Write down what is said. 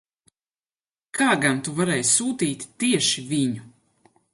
Kā gan tu varēji sūtīt tieši viņu?